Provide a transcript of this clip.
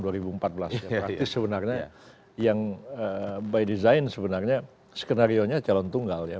berarti sebenarnya yang by design sebenarnya skenario nya calon tunggal ya